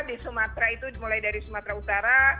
di sumatera itu mulai dari sumatera utara